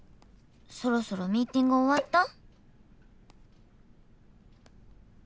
そろそろミーティングおわった？」。